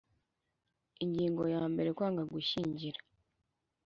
Ingingo ya mbere Kwanga gushyingira